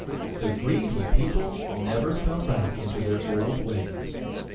The Greedy people never fell back into their old ways.